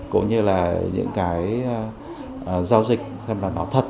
cũng như là những cái giao dịch xem là nó thật